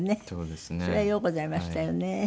それはようございましたよね。